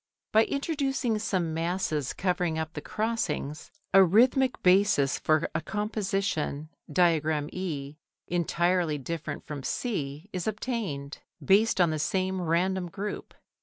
By introducing some masses covering up the crossings, a rhythmic basis for a composition (Diagram E) entirely different from C is obtained, based on the same random group.